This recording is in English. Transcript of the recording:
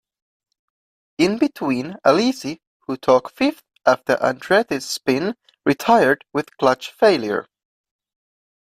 In between, Alesi, who took fifth after Andretti's spin retired with clutch failure.